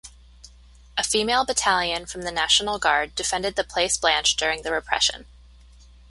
A female battalion from the National Guard defended the Place Blanche during the repression.